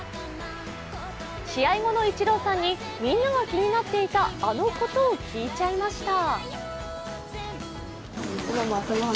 試合後のイチローさんに、みんなが気になっていたあのことを聞いちゃいました。